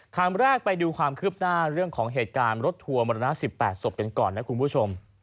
คำแรกไปดูความคืบหน้าเรื่องของเหตุการณ์รถทัวร์มรณะ๑๘ศพกันก่อนนะคุณผู้ชม